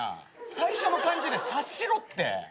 最初の感じで察しろって。